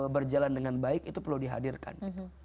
berjalan dengan baik itu perlu dihadirkan